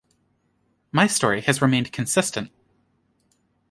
My story has remained consistent.